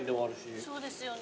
そうですよね。